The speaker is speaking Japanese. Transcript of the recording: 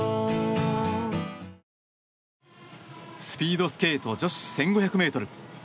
スピードスケート女子１５００ｍ。